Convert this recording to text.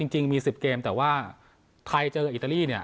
จริงมี๑๐เกมแต่ว่าไทยเจออิตาลีเนี่ย